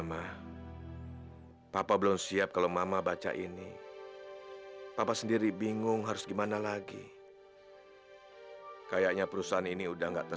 sampai jumpa di video selanjutnya